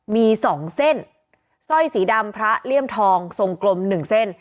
มี๒เส้นสร้อยสีดำพระเลี่ยมทองทรงกลม๑เส้น